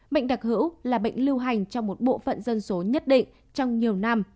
bệnh đặc hữu là bệnh lưu hành cho một bộ phận dân số nhất định trong nhiều năm